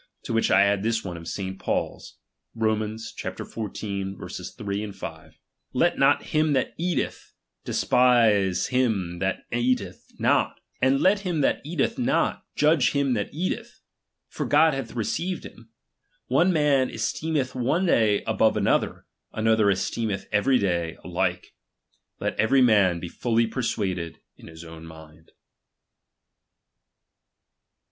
To which I add this one of Saint Paul's (Rom. xiv. 3, 5) : Let not kirn that eatethy despise him that eateth not, and let not him that eateth not, judge him that eateth ; for God hath received him. One man esteemeth one day above another, another esteemeth every day alike. Let every man he fully persuaded in his ovm mind.